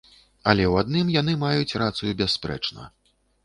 Але ў адным яны маюць рацыю бясспрэчна.